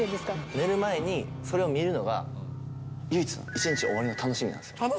寝る前にそれを見るのが唯一の、１日の終わりの楽しみなんですよ。